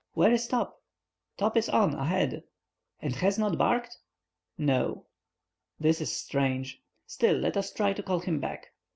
Where is Top?" "Top is on ahead." "And has not barked?" "No." "That is strange. Still, let us try to call him back."